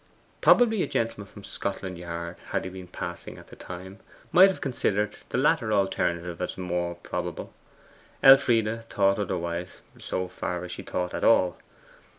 Probably a gentleman from Scotland yard, had he been passing at the time, might have considered the latter alternative as the more probable. Elfride thought otherwise, so far as she thought at all.